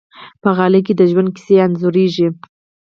په غالۍ کې د ژوند کیسې انځورېږي.